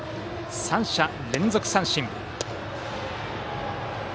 ３者連続三振。